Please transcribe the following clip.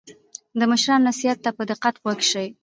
د مشرانو نصیحت ته په دقت غوږ شئ.